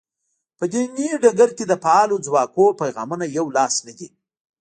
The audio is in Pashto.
په دیني ډګر کې د فعالو ځواکونو پیغامونه یو لاس نه دي.